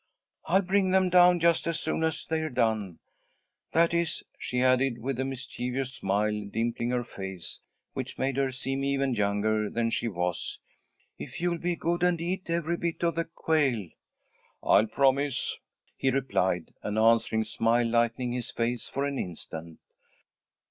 "I'll bring them down just as soon as they're done. That is," she added, with a mischievous smile dimpling her face, which made her seem even younger than she was, "if you'll be good, and eat every bit of the quail." "I'll promise," he replied, an answering smile lighting his face for an instant.